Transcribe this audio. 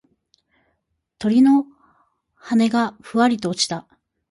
鳥の羽がふわりと落ちた。